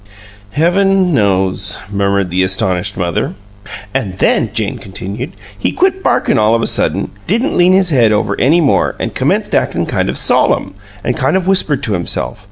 "Heaven knows!" murmured the astonished mother. "An' then," Jane continued, "he quit barkin' all of a sudden, an' didn't lean his head over any more, an' commenced actin' kind of solemn, an' kind of whispered to himself.